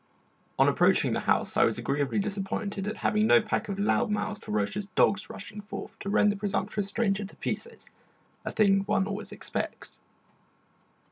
On approaching the house I was agreeably disappointed at having no pack of loud mouthed, ferocious dogs rushing forth to rend the presumptuous stranger to pieces, a thing one always expects.